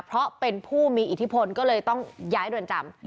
เพราะเป็นผู้มีอิทธิพลก็เลยต้องย้ายเรือนจำ